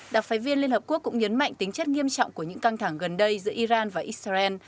đặc phái viên liên hợp quốc cũng nhấn mạnh tính chất nghiêm trọng của những căng thẳng gần đây giữa iran và israel